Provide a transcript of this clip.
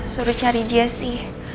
suruh cari jaycee